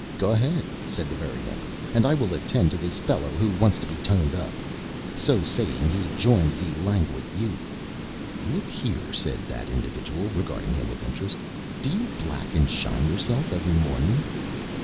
"Go ahead," said the Very Imp, "and I will attend to this fellow who wants to be toned up." So saying he joined the Languid Youth. "Look here," said that individual, regarding him with interest, "do you black and shine yourself every morning?"